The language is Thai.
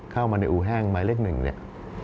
เข้ามาในอู่แห้งหมายเลขหนึ่งเนี่ย